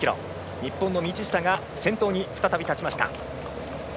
日本の道下が先頭に再び立ちました。